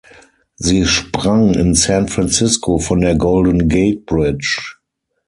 Sie sprang in San Francisco von der Golden Gate Bridge.